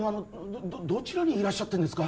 どちらにいらっしゃってんですか？